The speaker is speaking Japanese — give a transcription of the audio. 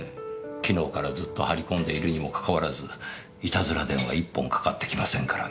昨日からずっと張り込んでいるにもかかわらずいたずら電話１本かかってきませんからねぇ。